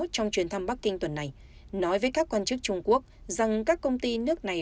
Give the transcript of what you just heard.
trong chuyến thăm bắc kinh tuần này nói với các quan chức trung quốc rằng các công ty nước này